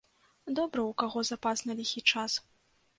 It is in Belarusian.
Добра, у каго запас на ліхі час.